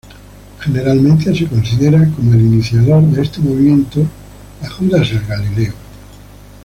Generalmente se considera como el iniciador de este movimiento a Judas el Galileo.